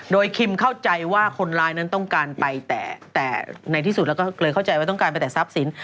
โดยคิมเข้าใจว่าคนร้ายนั้นต้องการไปแต่ในที่สุดแล้วก็เลยเข้าใจว่าต้องการไปแต่ทรัพย์สิน